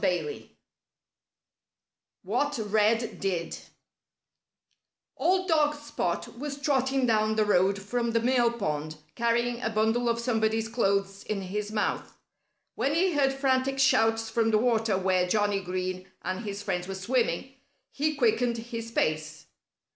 VIII WHAT RED DID Old dog Spot was trotting down the road from the mill pond, carrying a bundle of somebody's clothes in his mouth. When he heard frantic shouts from the water, where Johnnie Green and his friends were swimming, he quickened his pace.